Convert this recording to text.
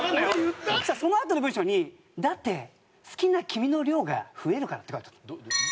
そのあとの文章に「だって好きな君の量が増えるから」って書いてあった。